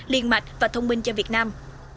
liên mạch và thông minh cho việt nam